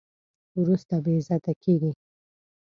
وروسته بې عزته کېږي.